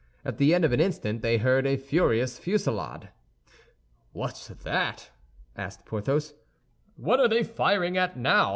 At the end of an instant they heard a furious fusillade. "What's that?" asked Porthos, "what are they firing at now?